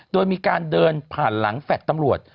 โดยมีการเดินผ่านหลังแฟลต์ตำรวจ